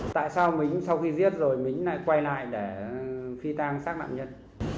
tại sao mình sau khi giết rồi mình lại quay lại để phi tang xác nạn nhân